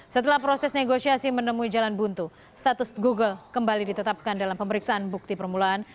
setelah proses negosiasi menemui jalan buntu status google kembali ditetapkan dalam pemeriksaan bukti permulaan